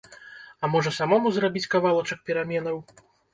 А можна самому зрабіць кавалачак пераменаў.